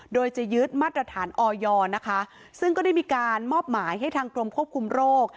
โดยจะยึดมาตรฐานออยนะคะซึ่งก็ได้มีการมอบหมายให้ทางกรมควบคุมโรค